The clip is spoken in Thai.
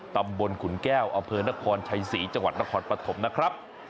ตำบลขุนแก้วอำเภอนครชัยศรีจังหวัดนครปฐมนะครับ